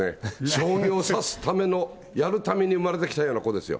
将棋を指すための、やるために生まれてきたような子ですよ。